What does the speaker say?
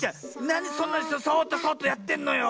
なんでそんなにそっとそっとやってんのよ